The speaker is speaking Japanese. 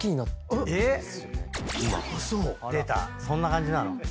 そんな感じなの？